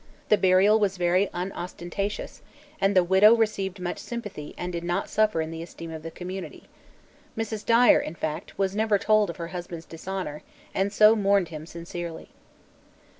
The burial was very unostentatious and the widow received much sympathy and did not suffer in the esteem of the community. Mrs. Dyer, in fact, was never told of her husband's dishonor and so mourned him sincerely.